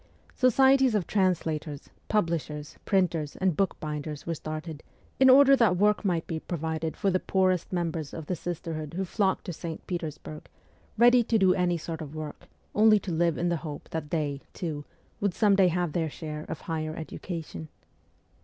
Societies of translators, publishers, printers, and bookbinders were started, in order that work might be provided for the poorest members of the sisterhood who flocked to St. Peters burg, ready to do any sort of work, only to live in the hope that they, too, would some day have their share of higher education.